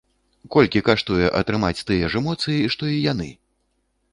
Колькі каштуе атрымаць тыя ж эмоцыі, што і яны?